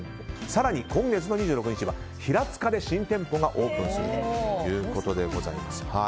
更に今月２６日は平塚で新店舗がオープンするということです。